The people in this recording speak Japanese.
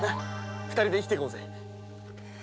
二人で生きてゆこうぜ。